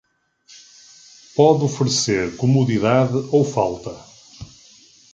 Pode oferecer comodidade ou falta.